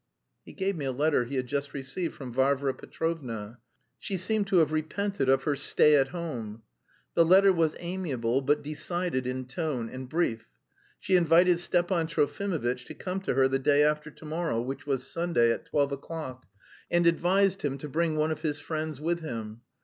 He gave me a letter he had just received from Varvara Petrovna. She seemed to have repented of her "stay at home." The letter was amiable but decided in tone, and brief. She invited Stepan Trofimovitch to come to her the day after to morrow, which was Sunday, at twelve o'clock, and advised him to bring one of his friends with him.